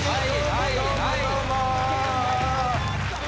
はいはい。